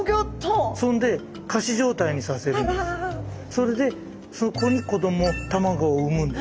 それでそこに子ども卵を産むんです。